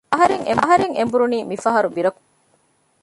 އަހަރެން އެނބުރުނީ މިފަހަރު ބިރަކުން ނޫން